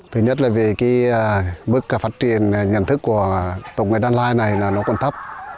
thứ nhất là về cái mức phát triển nhận thức của tổng người đan lai này là nó còn thấp